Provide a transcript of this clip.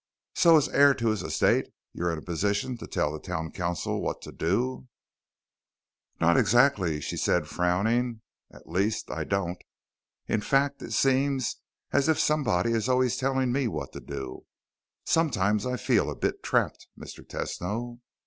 "So as heir to his estate, you're in a position to tell the town council what to do." "Not exactly," she said, frowning. "At least, I don't. In fact, it seems as if somebody is always telling me what to do. Sometimes I feel a bit trapped, Mr. Tesno."